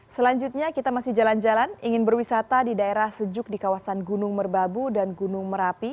selanjutnya kita masih jalan jalan ingin berwisata di daerah sejuk di kawasan gunung merbabu dan gunung merapi